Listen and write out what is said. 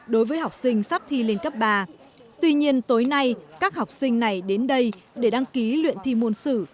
đối với học sinh sắp thi lên cấp ba tuy nhiên tối nay các học sinh này đến đây để đăng ký luyện thi môn sử